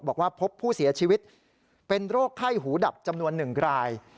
บอกว่าพบผู้เสียชีวิตเป็นโรคไข้หูดับจำนวน๑ราย